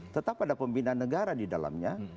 tetap ada pembinaan negara di dalamnya